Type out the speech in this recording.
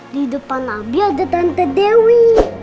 di depan abi ada tante dewi